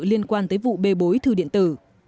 liên quan tới vụ bê bối thư điện tử